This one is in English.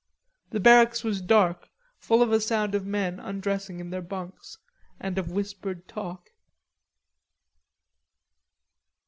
The barracks was dark, full of a sound of men undressing in their bunks, and of whispered talk.